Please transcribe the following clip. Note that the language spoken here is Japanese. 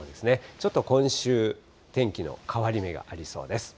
ちょっと今週、天気の変わり目がありそうです。